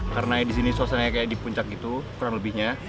karena disini suasananya kayak di puncak gitu kurang lebihnya